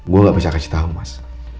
gue gak bisa kasih tahu mas